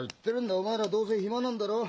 お前らどうせ暇なんだろ？